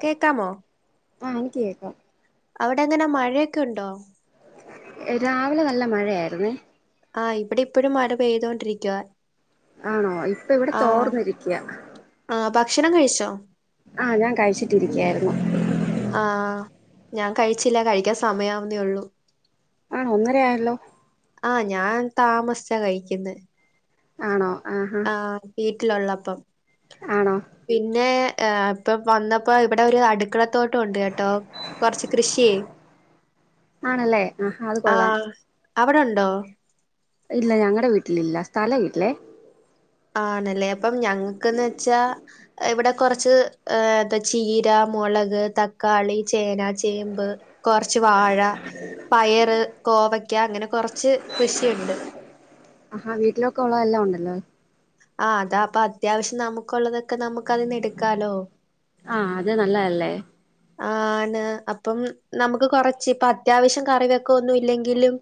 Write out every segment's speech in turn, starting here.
കേക്കാമോ ആഹ് എനിക്ക് കേൾക്കാം. അവിടെ എങ്ങന മഴേക്ക ഉണ്ടോ? രാവിലെ നല്ല മഴയായിരുന്നേ ആഹ് ഇവിടെ ഇപ്പൊഴും മഴ പെയ്തോണ്ടിരിക്കുവാ. ആണോ ഇപ്പ ഇവിട ആ തോർന്നിരിക്കാ [unintelligible] കഴിച്ചോ? ആഹ് ഞാൻ കഴിച്ചിട്ടിരിക്കയായിരുന്നു. ആ ഞാൻ കഴിച്ചില്ല കഴിക്കാൻ സമയാവുന്നേ ഒള്ളൂ. ആഹ് ഒന്നര ആയല്ലോ? ആഹ് ഞാൻ താമസിച്ചാ കഴിക്കുന്നേ ആണോ? ആഹ [unintelligible] പിന്നെ ഏഹ് ഇപ്പ വന്നപ്പ ഇവിടെ ഒരു അടുക്കള തോട്ടം ഉണ്ട് കേട്ടോ കൊറച്ച് കൃഷിയേ ആണല്ലേ ആഹ അത് കൊള്ളാം. അവിടെണ്ടോ? ഇല്ല ഞങ്ങടെ വീട്ടിലില്ല സ്ഥലവില്ലേ ആണല്ലേ അപ്പം ഞങ്ങക്കെന്ന് വെച്ചാ ഇവിടെ കൊറച്ച് ഏഹ് ചീര മൊളക് തക്കാളി ചേന ചേമ്പ് കൊറച്ച് വാഴ പയറ് കോവയ്ക്ക അങ്ങനെ കൊറച്ച് കൃഷിയുണ്ട്. ആഹാ വീട്ടിലൊക്ക് ഉള്ള എല്ലാം ഉണ്ടല്ലോ ആഹ് അതാ അപ്പൊ അത്യാവശ്യം നമുക്കൊള്ളതൊക്കെ നമുക്ക് അതിന്ന് എടുക്കാലോ ആഹ് അത് നല്ലതല്ലേ. ആഹ് ആണ് അപ്പം നമുക്ക് കൊറച്ച് ഇപ്പ അത്യാവശ്യം കറിവൊക്കാൻ ഒന്നും ഇല്ലെങ്കിലും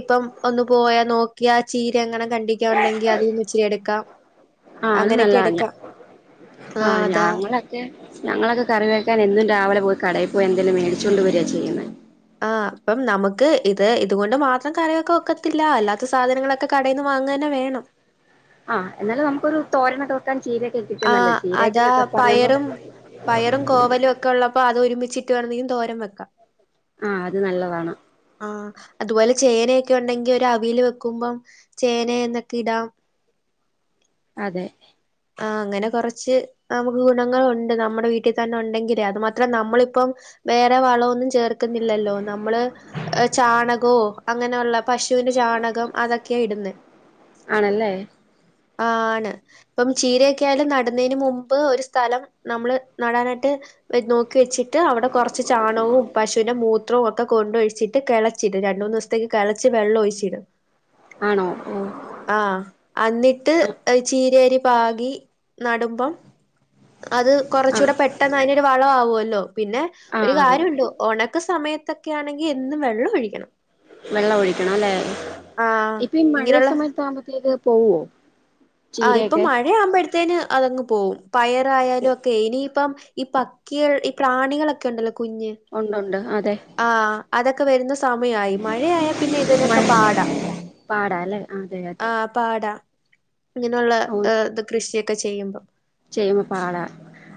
ഇപ്പം ഒന്ന് പോയാ നോക്കിയാ ആ ചീരയെങ്ങണം കണ്ടിക്കാൻ ഒണ്ടെങ്കി അതിൽ നിന്നു ഇച്ചിരി എടുക്കാം അങ്ങനെയൊക്കെ എടുക്കാം ആഹ് ഞാങ്ങളൊക്കെ ഞങ്ങളൊക്കെ കറി വെക്കാൻ എന്നും രാവിലെ പോയി കടേ പോയി എന്തെലും മേടിച്ചോണ്ട് വര ചെയ്യുന്നെ. ആഹ് അപ്പം നമുക്ക് ഇത് ഇതുകൊണ്ട് മാത്രം കറിവെക്കാൻ ഒക്കത്തില്ല. അല്ലാത്ത സാധനങ്ങളൊക്കെ കടേന്ന് വാങ്ങന്നെ വേ ണം. ആഹ് എന്നാലേ നമുക്കൊരു തോരനൊക്കെ വെക്കാൻ ചീര ആഹ് അതാ പയറും പയറും കോവലും ഒക്കെള്ളപ്പോ അത് ഒരുമിച്ചി ട്ട് [unintelligible] തോരൻ വെക്കാം. ആഹ് അത് നല്ലതാണ്. ആഹ് അതുപോലെ ചേനൊക്കെ ഉണ്ടെങ്കി ഒര് അവിയൽ വെക്കുമ്പം ചേന എന്നൊക്കെ ഇടാം. അതെ. ആഹ് അങ്ങനെ കൊറച്ച് നമുക്ക് ഗുണങ്ങളുണ്ട്. നമ്മുടെ വീട്ടി തന്നെ ഉണ്ടെങ്കിലേ അത് മാത്രം നമ്മളിപ്പം വേറെ വളൊന്നും ചേർക്കുന്നില്ലല്ലോ. നമ്മള് ചാണകോ അങ്ങനൊള്ള പശുവിന്റെ ചാ ചാണകം അതൊക്കെ ഇടുന്നെ. ആണല്ലേ. ആഹ് ആണ് ഇപ്പം ചീരയൊക്കൊയാലും നടുന്നേന് മുമ്പ് ഒരു സ്ഥലം നമ്മള് നടാനായിട്ട് നോക്കി വെച്ചിട്ട് അവിടെ കൊർച്ച് ചാണവും പശുവിന്റെ മൂ ത്രവും ഒക്കെ കൊണ്ടൊഴിച്ചിട്ട് കെളച്ചിടും. രണ്ട്, മൂന്നൂസ്ത്തേക്ക് കെളച്ച് വെള്ളം ഒഴിച്ചിടും. ആണോ ഓ ആഹ് അന്നിട്ട് ചീരരി പാകി നടുമ്പം അത് ആഹ് കൊറച്ചൂടെ പെട്ടെന്ന് അയ്നൊരു വള ആവുല്ലോ. പിന്നെ ഒരു ആഹ് ആകും കാര്യോണ്ട്. ഒണക്ക സമയ ത്തക്കെ ആണെങ്കി എന്നും വെള്ളം ഒഴിക്കണം. വെള്ളം ഒഴിക്കണം അല്ലേ. ആഹ് ഇപ്പ ഈ മഴ ഇങ്ങനെയുള്ള സമയത്ത് ആകുമ്പോത്തേക്ക് പോവോ? ആ ഇപ്പൊ ചീരയൊക്കെ മഴയാമ്പോഴ്ത്തേന് അതങ്ങ് പോവും. പയറായാലും ഒക്കെ ഇനിയിപ്പം ഈ പക്കികൾ ഈ പ്രാണികളൊക്കെ ഉണ്ടല്ലോ കുഞ്ഞ് ഉണ്ടുണ്ട് അതെ ആഹ് അതൊക്കെ വര്ന്ന സമയായി. മഴയായാ പിന്നെ ഇതിനൊക്കെ പാടാ അല്ല അതെ ആ അതെ പാടാ ഇങ്ങനെയുള്ള ഇത് കൃഷിയൊക്കെ ചെയ്യുമ്പം ചെയ്യമ്മപാട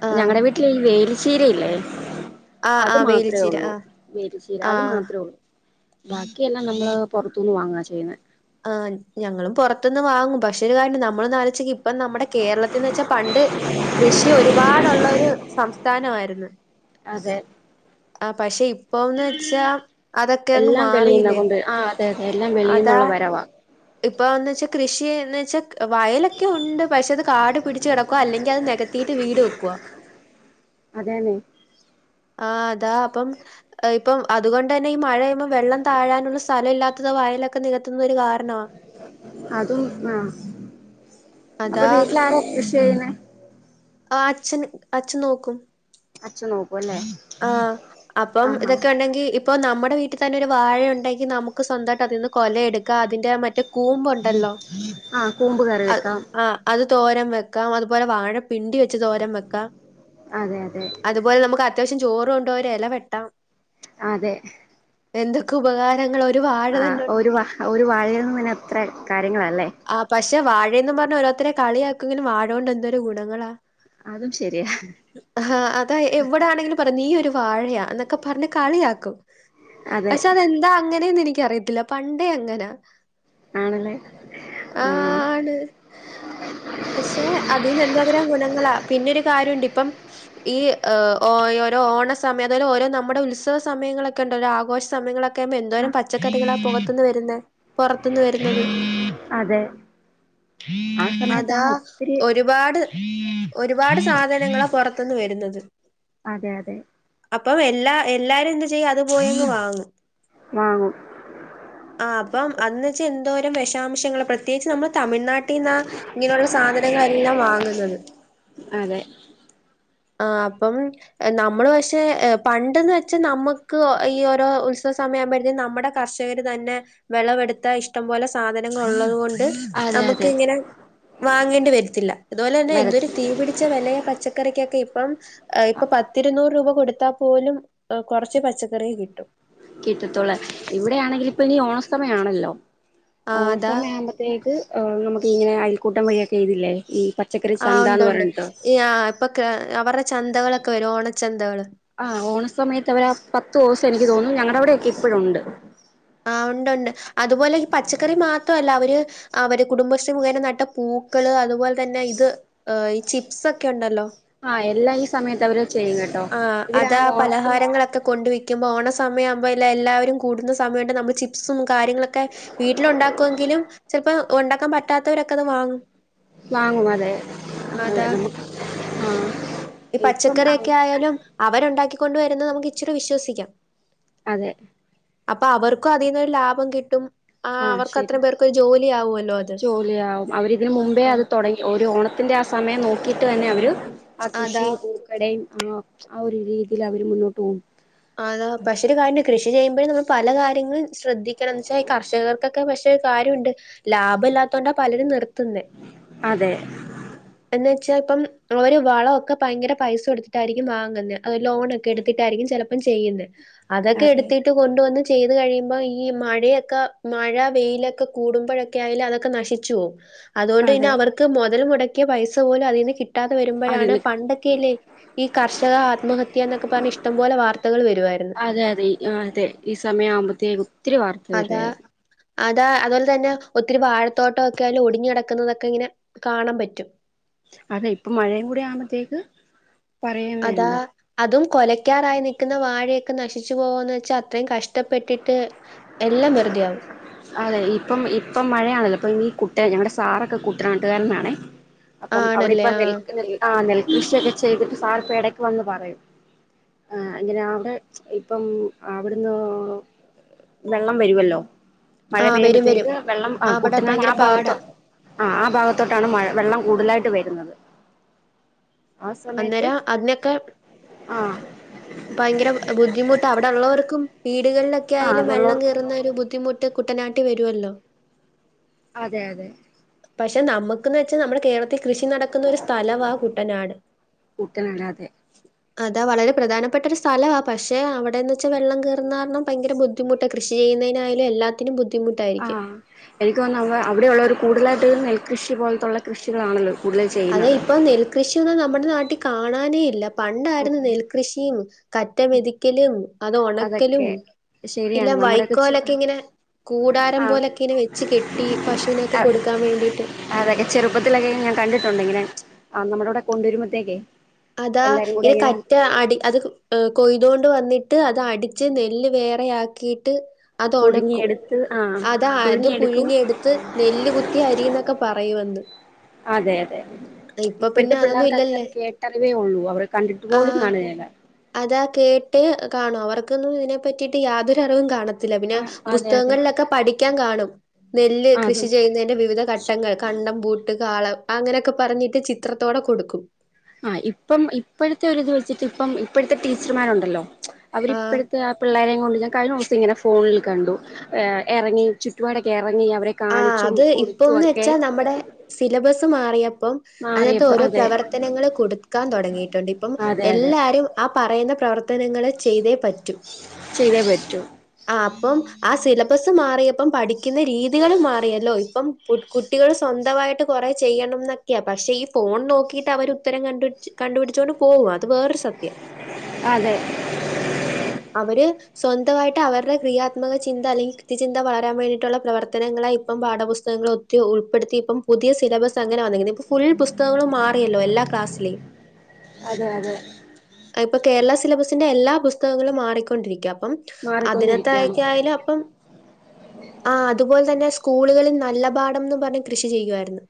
ആ ഞങ്ങളടെ വീട്ടില് ഈ വേലിചിരയില്ലേ ആ ആ അത് മാത്രമേ വേലിച്ചീര ഉള്ളൂ ആ വേലിചീര ആ അത് മാത്രമേ ഉള്ളു ബാക്കിയെല്ലാം നമ്മളെ പുറത്തുനിന്ന് വാങ്ങാ ചെയ്യുന്നേ ആ ഞങ്ങളും പുറത്തുന്ന് വാങ്ങും പക്ഷേ ക നമ്മൾ നനച്ച ഇപ്പ നമ്മുടെ കേരളത്തിന്ന് വെച്ചാൽ പണ്ട് കൃഷി ഒരുപാട് ഉള്ളൊരു സംസ്ഥാനമായിരുന്നു അതെ ആ പക്ഷെ ഇപ്പൊന്ന് വെച്ചാ അതൊക്കെ അങ്ങ് എല്ലാം വെളിയിന്ന മാറിയില്ലേ കൊണ്ട് ആ അതെ അതെ എല്ലാം വെളീന്നുള്ള വരവാ അപ്പോ എന്താന് വച്ചാൽ കൃഷിയന്ന് വെച്ചാൽ വയലൊക്കെ ഉണ്ട് പക്ഷെ അതെ കാടു പിടിച്ച് കിടക്കവാ അല്ലെങ്കിൽ അത് നികത്തിട്ട് വീട് വെക്കുവ അതെ ആ അതാ അപ്പം ഇപ്പം അതുകൊണ്ട് തന്നെ ഈ മഴയൊന്നും വെള്ളം താഴാനുള്ള സ്ഥലം ഇല്ലാത്തത് വയലൊക്കെ നികത്തുന്നത്. ഒരു കാരണ അതും ആ അപ്പൊ അതാ വീട്ടിൽ ആരാ കൃഷി ചെയ്യുന്നേ ആ അച്ഛൻ അച്ഛൻ നോക്കും അച്ഛനോ ആഹ് അപ്പം ഇതൊക്കെ ഉണ്ടെങ്കി ഇപ്പൊ നമ്മുടെ നമ്മടെ വീട്ടിൽ തന്നെ ഒരു വാഴ ഉണ്ടെങ്കി നമുക്ക് സ്വന്തമായിട്ട് അതിൽ നിന്ന് കൊല എടുക്കാം അതിന്റെ മറ്റു കൂമ്പുണ്ടല്ലോ ആഹ് കൂമ്പ് കറി അ വെക്കാം ആ അത് കു തോരൻ വെക്കാം അതുപോലെ വാഴ പിണ്ടി വെച്ച് തോരൻ വെക്കാം അതെ അതെ അതുപോലെ നമുക്ക് അത്യാവശ്യം ചോറും കൊണ്ടോവാൻ ഒരു ഇല വെട്ടാം അതെ എന്തൊക്കെ ഉപകാരങ്ങളാ ഒരു വാഴ ആ തന്നെ ഉണ്ടെങ്കി ഒരു വഴേൽന്ന് തന്നെ എത്ര കാര്യങ്ങളാല്ലേ ആ പക്ഷെ വാഴയെന്ന് പറഞ്ഞ് ഓരോരുത്തരെ കളിയാക്കും എങ്കിലും വാഴകൊണ്ട് എന്തോരു ഗുണങ്ങളാ അതും ശരിയാ ആഹ അതാ എവിടെ ആണെങ്കിലും പറ നീ ഒരു വാഴയാ എന്നൊക്കെ പറഞ്ഞു കളിയാക്കും അതെ പക്ഷെ അതെന്താ അങ്ങനെ എന്നെനിക്കു- എനിക്കു അറിയത്തില്ല പണ്ടേ അങ്ങനാ ആണല്ലേ അ ആഹ് ആണ് പക്ഷെ അതിന്ന് എന്തോരം ഗുണങ്ങളാ പിന്നെരു കാര്യം ഉണ്ട് ഇപ്പം ഈ ഓ ഓരോരോ ഓണ സമയം അതായ ഓരോ നമ്മുടെ ഉത്സവ സമയങ്ങളൊക്കെ ഉണ്ട് ഓര ആഘോഷ സമയങ്ങളൊക്കെ ഇപ്പോ എന്തോരം ആഹ് പച്ചക്കറികളാ പുകത്തുന്ന് വരുന്നേ പുറത്തൂന്ന് വരുന്നത് അതെ ആ അതാ സമയത്താണ് ഒത്തിരി ഒരുപാട് ഒരുപാട് സാധനങ്ങള് പുറത്തുന്ന് വരും വരുന്നത് അതെ അതെ അപ്പം എല്ലാ എല്ലാരും എന്താ ചെയ്യും അത് പോയങ്ങ് വാങ്ങും വാങ്ങും ആ അപ്പം അന്ന് വെച്ച എന്തോരം വിഷാംശങ്ങള് പ്രത്യേകച്ച് നമ്മ തമിഴ്നാട് നാട്ടീനാ ഇങ്ങനെയുള്ള സാധനങ്ങളെല്ലാം വാങ്ങുന്നത് അതെ ആ അപ്പം നമ്മള് പക്ഷെ പണ്ടെന്ന് വെച്ചാ നമ്മുക്ക് ഈ ഓരോ ഉത്- സമയാമ്പോഴേക്കും നമ്മുടെ കർഷകർ തന്നെ വിളവെടുത്ത ഇഷ്ടം പോലെ സാധനങ്ങൾ ഉള്ളത് കൊൊണ്ട് അതെ നമുക്ക് അതെ ഇങ്ങനെ വാങ്ങേണ്ടി വരത്തില്ല അതുപോലെ തന്നെ വര എന്തൊ ഒരു തീപിടിച്ച വിലയ പച്ചക്കറിക്കൊക്കെ ഇപ്പം ഇപ്പ- പത്തിരുന്നൂറ് രൂപ കൊടുത്താൽ പോലും കുറച്ച് പച്ചക്കറി യെ കിട്ടൂ കിട്ടത്തോുള്ളു ഇവിടെയാണെങ്കിൽ ഇപ്പ ഇനി ഓണ സമയയാണല്ലോ ആ ഓണ അതാ സമയ ആവുമ്പോത്തേക്ക് നമുക്ക് ഇങ്ങെനെ അൽക്കൂട്ടം വഴിയൊക്കെ ഇതില്ലേ ഈ പ- ആ ഉണ്ട് ഉണ്ട് ഈ ആ ഇപ്പൊ അവരുടെ ചന്തകളൊക്കെ വരും ഓണച്ചന്തകള് ആ ഓണ സമയത്ത് അവരാ പത്ത് ദിവസം എനിക്ക് തോന്നും ഞങ്ങളുടെ അവിടെക്കെ ഇപ്പഴുണ്ട് ആ ഉണ്ട് ഉണ്ട് അതുപോലെ ഈ പച്ചക്കറി മാത്രമല്ല അവര് അവര് കുടുംബശ്രീ മുഖേന നട്ട പൂക്കള് അതുപോലെ തന്നെ ഇത് ഈ ചിപ്സ് ഒക്കെ ഉണ്ടല്ലോ ആ എല്ലാ ഈ സമയത്ത് അവര് ചെയ്യും കേട്ടോ ആ ഇവര് ആ അതാ ഓണത്തിന് പലഹാരങ്ങളൊക്കെ കൊണ്ട് വയ്ക്കും ക്കുമ്പോ ഓ സമയ ആകുമ്പോ എല്ലരും കൂടുന്ന സയമ ഉണ്ട് നമ്മ ചപ്സും കാര്യങ്ങളൊക്കെ വീട്ടിലുണ്ടാക്കുമെങ്കിലും ചിലപ്പോ ഉണ്ടാക്കാൻ പറ്റാത്തവരൊക്കെ അത് വാങ്ങും വാങ്ങും അതെ അതാ അതെ ആ ഇപ്പം ആ ക്കയാലും അവരുണ്ടാക്കി കൊണ്ട് വരുന്നത് നമുക്ക് ഇച്ചിരി വിശ്വസിക്കാം അതെ അപ്പൊ അവർക്കും അതിൽന്നരു ലാഭം കിട്ടും ആ ആഹ് അവർക്ക് ശരി അത്രയും പേർക്കൊരു ജോലി ആവുമല്ലോ അത് ജോലിയാവും അവരിതിന് മുമ്പേ അത് ആഹ് തുടങ്ങി ഒരു ഓണ- ത്തിന്റെ ആ സമയം നോക്കിയിട്ട് തന്നെ അവര് ആ അതാ കൃഷിയും പൂക്കടയും ആ ആ ഒരു രീതിയിൽ അവര് മുന്നോട്ട് പോകും അതാ പക്ഷെ കാര്യം ഉണ്ട് കൃഷി ചെയ്യുമ്പോേ നമ്മൾ പല കാര്യങ്ങളും ശ്രദ്ധിക്കണം എന്ന്‌വെച്ചാ ഈ കർഷകർക്കൊക്കെ വി- കാര്യമുണ്ട് ലാഭ ഇല്ലാത്തൊണ്ടാ പലരും നിർത്തുന്ന അതെ എന്നാ വെച്ച ഇപ്പം വളമൊക്കെ ഭയങ്കര പൈസ കൊടുത്തിട്ടായിരിക്കും വാങ്ങുന്നത് ലോണൊക്കെ എടുത്തിട്ടായിരിക്കും ചെല- ഇപ്പ ചെയ്യുന്നത് അതൊക്കെ അതെ എടുത്തിട്ട് കൊണ്ടുവന്ന് ചെയ്ത് കഴിയുമ്പോ ഈ മഴയൊക്കെ മഴ വെയിലൊക്കെ കൂടുമ്പോഴൊക്കെ ആയാലും അതൊക്കെ നശിച്ചു പോവും അതുകൊണ്ട് പിന്നെ അതെ അവർക്ക് മുതൽ മുടക്കിയ പൈസ പോലും അതിൽ നിന്ന് കിട്ട- കിട്ടാതെ അതെ വരുമ്പോഴാണ് നി പണ്ടൊക്കെ അല്ലേ ഈ കർഷക ആത്മഹത്യ എന്നൊക്കെ പറഞ്ഞ ഇഷ്ടംപോലെ വാർത്ത അതെ അതെ അതെ ഈ സമയം ആവുമ്പോത്തേക്ക് ഒത്തിരി വാർത്ത അതാ വരുവായിരുന്നു അതാ അതുപോലെ തന്നെ ഒത്തിരി വാഴത്തോട്ടക്കെയായാലും ഒടിഞ്ഞിടക്കുന്നതൊക്കെ ഇങ്ങനെ കാണാൻ പറ്റും അതെ ഇപ്പൊ മഴയും കൂടെ ആവുമ്പോത്തേക്ക് അതാ അതും കൊലക്കാറായി നൽക്കുന്ന വാഴയൊക്കെ നശിച്ചു പോകാന്ന് വെച്ചാൽ അത്രയും കഷ്ടപ്പെട്ടിട്ട് എല്ലാം വെറു- യാവും അതെ ഇപ്പം ഇപ്പം മഴയാണല്ലോ ഇ ഈ കുട്ട ഞങ്ങളുടെ സാറൊക്കെ കുട്ടനാട്ടുകാരൻ ആണേ അപ്പം ആണല്ലേ ആഹ് അവിടെപ്പി നെൽ നെൽകൃഷിയൊക്കെ ചെയ്തിട്ട് സാർ ഇപ്പ ഇടക്ക് വന്ന് പറയും ആ അങ്ങനെ അവിടെ ഇപ്പം അവിടുന്ന് വെള്ളം വരുവല്ലോ മഴ ആഹ് വരും വരും പെയ്യുമ്പഴേക്ക് വെള്ളം ആ അവിടെ കുട്ടനാട് ഭയങ്കര ആ ഭാഗത്ത പാടാ ആ ആ ഭാഗത്തോട്ടാണ് മഴ വെള്ളം കൂടുതലായിട്ട് വരുന്നത് ആ സമയത്ത് അന്നേരം അതിനൊക്കെ ആ ഭയങ്കര ബുദ്ധിമുട്ട് അവിടെ ഉള്ളവർക്കും വീടുകളിലൊക്കെ ആയാലും ആഹ് വെള്ളം ഉള്ളവർക്കും കയറുന്ന ഒരു ബുദ്ധിമുട്ട് കുട്ടനാട്ടിൽ വരുവല്ലോ അതെ അതെ പക്ഷെ നമുക്കന്ന് വെച്ചാ നമ്മുടെ കേരളത്തിൽ കൃഷി നടക്കുന്ന ഒരു സ്ഥലവാ കുട്ടനാട് കുട്ടനാട് അതെ അ അത് വളരെ പ്രധാനപ്പെട്ട ഒരു സ്ഥലമാണ് പക്ഷേ അവിടെയെന്ന് വെച്ചൽ വെള്ളം കയറു കാരണം ഭയങ്കര ബുദ്ധിമുട്ട് കൃഷി ചെയ്യുന്നതിന് ആയാൽ എല്ലാത്തിനും ബു- ആ എനിക്ക് തോന്നുന്നു അവിടെയുള്ളവര് കൂടുതലായിട്ട് നെൽകൃഷി പോലത്തുള്ള കൃഷികളാണല്ലോ കൂടുതൽ അതെ ചെയ്യുന്നത് ഇപ്പൊ നെൽകൃഷിയൊന്നും നമ്മുടെ നാട്ടിൽ കാണാനേ ഇല്ല പണ്ടായിരുന്നു അതെ നെൽകൃഷിയും കറ്റമെതിക്കലും അത് ഉണക്കലും അതൊക്കെ ഇല്ലാ ശരിയാണ് നമ്മുടെയൊക്കെ ചെ വൈക്കോലെക്കെയിങ്ങനെ. കൂടാരം ആഹ് പോലെക്കെയിനെ വെച്ച് കെട്ടി പശുനെക്കെ കൊടുക്കാൻ വേണ്ടിട്ട്. അതെ ചെറുപ്പത്തിലെക്കെ ഞാൻ കണ്ടിട്ടൊണ്ടിങ്ങനെ നമ്മടെവിടെ കൊണ്ടുവരുമ്പത്തേക്കെ. അതാ ഇത് കറ്റ അടി അത് കൊയ്തോണ്ട് വന്നി ട്ട് അതടിച്ച് നെല്ല് വേറെയാക്കിട്ട് പുഴുങ്ങിയെടുത്ത് ആഹ് അതാ അത് പുഴുങ്ങിയെടുക്കും പുഴുങ്ങിയെടുത്ത് നെല്ല് കുത്തി അരിന്നെക്കെ പറയു അന്ന്. അതെ അതെ ഇപ്പഴത്തെ അതൊന്നും പിള്ളേർകെക്കെ അത് ഇല്ലല്ലേ കേട്ടറിവേയാള്ളൂ. അവരെ കണ്ടിട്ട് പോലും കാണകേല. താ കേട്ട് കാണും. അവർക്കൊന്നുയിതിനെ പറ്റിട്ട് യാതൊരുറിവും കാണത്തി ല്ല. പിന്നെ ആഹ് അതെ അതെ പുസ്തകങ്ങളിലൊക്കെ പഠിക്കാൻ കാണും. നെല്ല് ആ അത് കൃഷി ചെയ്യുന്നതിന്റെ വിവിധ ഘട്ടങ്ങൾ. കണ്ടം ബൂട്ട്, കാളം. അങ്ങനെയെക്കെ പറഞ്ഞിട്ട് ചിത്രത്തോടെ കൊടുക്കും. ആ ഇപ്പം ഇപ്പഴത്തെ ഒരുതുവെച്ചിട്ട് ഇപ്പം ഇപ്പഴത്തെ ടീച്ചറുമാരൊണ്ടല്ലോ. ആഹ് അവരിപ്പഴത്തെ ആ പിള്ളോരേം കൊണ്ട് ഞാൻ കഴിഞ്ഞ ദിവസിങ്ങനെ ഫോണിൽ കണ്ടു. എ എറങ്ങി ചുറ്റുപാടൊക്കെ എറങ്ങി ആ അത് ഇപ്പെന്ന് വെച്ചാ നമ്മെടെ സിലബസ്സ് മാറിയ പ്പോ അതിനത്തെ മാറിയപ്പോ ഓരോ അതെ പ്രവർത്തനങ്ങള് കൊടുക്കാൻ തൊടങ്ങിട്ടൊണ്ട്. ഇപ്പം അതെ അതെ എല്ലാരും ആ പറയുന്ന പ്രവർത്തനങ്ങള് ചെയ്തേ പറ്റൂ. ചെയ്തേ പറ്റൂ ആ അപ്പം ആ സില ബസ് മാറിയപ്പം പഠിക്കുന്ന രീതി കുട്ടികള് മാറിയല്ലോ. ഇപ്പം കു കുട്ടികൾ സ്വന്തവായിട്ട് കെറെ ചെയ്യണ്ടന്നൊക്കെയാ. പക്ഷെ ഈ ഫോൺ നോക്കി ക്കിട്ട് അവരുത്തരം കണ്ടു കണ്ടുപിടിച്ചുകൊണ്ട് പോകും. അത് വേറൊരു സത്യം. അതെ സ്വന്തവായിട്ട് അവെരുടെ ക്രിയാത്മകചിന്ത അല്ലങ്കിൽ കൃത്യചിന്ത വളരാ വേണ്ടി ട്ടൊള്ള പ്രവർ ങ്ങളായി ഇപ്പ പാഠപുസ്തകങ്ങളെക്കെ ഉൾപ്പെടുത്തി ഇപ്പം പുതിയ സിലബസ് അങ്ങനെ വന്നേക്ക നേ. ഇപ്പ ഫുൾ പുസ്തകങ്ങളും മാ ല്ല എല്ലാ ക്ലാസ്സിലേം അതെ അതെ സിലബസിന്റെല്ലാ പുസ്തകങ്ങളും മാറിക്കൊണ്ടിരിക്കാം അപ്പം മാറിക്കൊണ്ടിരിക്കുകയാണ് അതിനത്തേക്കായാലും അപ്പം ആ അതുപോലെ തന്നെ സ്കൂളുകളിൽ നല്ല പാഠംന്ന് പറഞ്ഞ് കൃഷി ചെയ്യുവാരുന്നു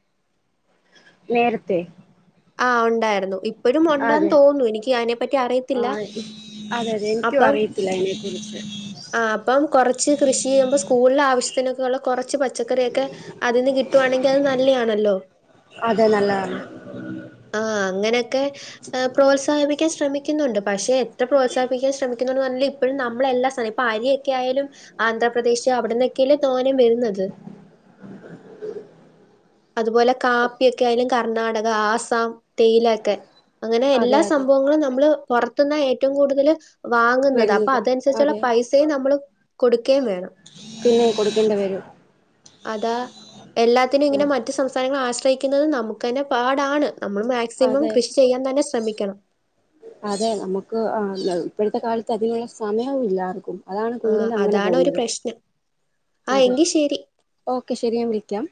നേരത്തെ ആഹ് ഒണ്ടാരുന്നു ഇപ്പഴും ഉണ്ടാന്ന് അതെ തോന്നുന്നു എനിക്ക് അതിനെ പറ്റി ആ അറിയത്തില്ല അതെ അതെ എനിക്കും അറിയത്തില്ല അയ്നെക്കുറിച്ച് ആ അപ്പം കൊറച്ച് കൃഷി ചെയ്യുമ്പോ സ്കൂളിലാവ ശത്തിനൊക്കെയൊള്ള കൊറച്ച് പച്ചക്കറിയൊക്കെതിന്ന് കിട്ടുവാണെങ്കിൽ അത് നല്ലലാണല്ലോ അതെ നല്ലതാണ് ക്കെ പ്രോത്സാഹിപ്പിക്കാൻ ശ്രമിക്കുന്നുണ്ട് പക്ഷെ എത്ര പ്രോത്സാഹിപ്പിക്കാൻ ശ്രമിക്കുന്നുണ്ട് എന്ന് പറഞ്ഞാലും ഇപ്പഴും നമ്മ ളെല്ലാ സാധനം ഇപ്പ അരിയെക്കെയയാലും ആന്ധ്രപ്രദേശ് അവിടെന്നെ ക്കെയല്ലേ തോനേം വരുന്നത് അതുപോലെ അതെ കാപ്പിയെക്കെയായലും കർണാടക ആസ്സാം തേയിലക്കെ അങ്ങനെ അതെ എല്ലാ അതെ സംഭവങ്ങളും നമ്മള് പൊറത്തുന്ന ഏറ്റവും കൂടുതല് വാങ്ങുന്നത് അപ്പൊ വരുന്നത് അതനുസരിച്ചുള്ള അതെ പൈസയും നമ്മള് കൊടുക്കയും വേണം പിന്നെ കൊടുക്കേണ്ടി വരും അതാ എല്ലാത്തിനുമിങ്ങനെ ആ മറ്റു സംസ്ഥാനങ്ങളെ ആശ്രയിക്കുന്നത് നമ്മുക്ക് തന്നെ പാടാണ് നമ്മള് മാക്സിമം അതെ കൃഷി ചെയ്യാൻ തന്നെ ശ്രമിക്കണം ഇപ്പഴത്തെ കാലത്ത് അതിനുള്ള സമയവുയില്ലാർക്കും അതാണ് ആ കൂടുതല് അങ്ങനെ അതാണ് ഒരു പോകുന്നത് പ്രശ്നം ആ അതെ എങ്കിൽ ശരി ഓക്കെ ശെരി ഞാൻ വിളിക്കാം